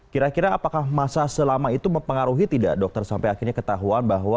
kira kira apakah masa selama itu mempengaruhi tidak dokter sampai akhirnya ketahuan bahwa